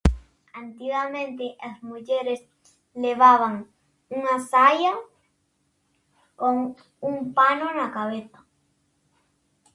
Antigamente, as mulleres levaban unha saia con un pano na cabeza.